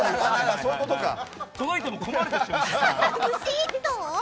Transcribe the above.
届いても困るでしょ！